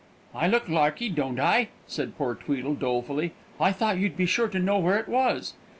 "] "I look larky, don't I?" said poor Tweedle, dolefully. "I thought you'd be sure to know where it was."